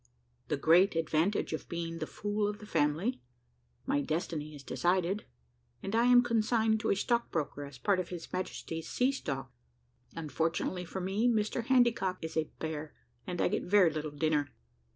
THE GREAT ADVANTAGE OF BEING THE FOOL OF THE FAMILY MY DESTINY IS DECIDED, AND I AM CONSIGNED TO A STOCKBROKER AS PART OF HIS MAJESTY'S SEA STOCK UNFORTUNATELY FOR ME MR. HANDYCOCK IS A BEAR, AND I GET VERY LITTLE DINNER.